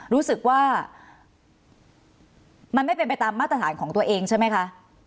รู้สึกว่ามันไม่เป็นไปตามมาตรฐานของตัวเองใช่ไหมคะ